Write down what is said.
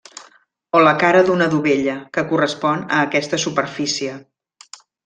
O la cara d'una dovella, que correspon a aquesta superfície.